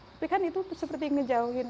tapi kan itu seperti ngejauhin